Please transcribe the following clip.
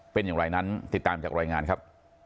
เป็นอย่างไรนั้นติดตามจากรายงานครับ